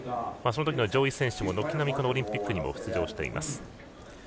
そのときの上位選手が軒並みオリンピックにも出場しています。